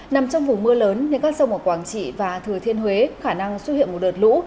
nằm trong vùng mưa lớn những các sông ở quảng trị và thừa thiên huế khả năng xuất hiện một đợt lũ